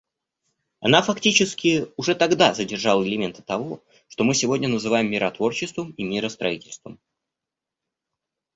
Она фактически уже тогда содержала элементы того, что мы сегодня называем «миротворчеством» и «миростроительством».